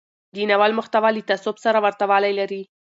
د ناول محتوا له تصوف سره ورته والی لري.